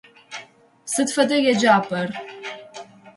Сыд фэда еджапӏэр?